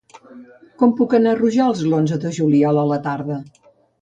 Com puc anar a Rojals l'onze de juliol a la tarda?